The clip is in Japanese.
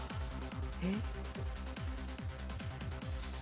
えっ。